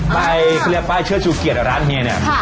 ไปเครียบป้ายเชื้อชูเกียรติร้านเฮียเนี่ย